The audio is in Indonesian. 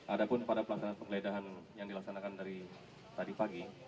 ada pun pada pelaksanaan penggeledahan yang dilaksanakan dari tadi pagi